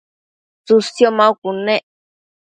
tsësio maucud nec